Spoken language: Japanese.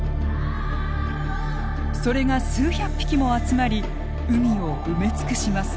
それが数百匹も集まり海を埋め尽くします。